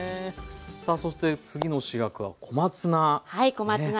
さあそして次の主役は小松菜。